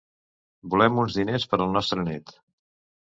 Volem uns diners per al nostre net.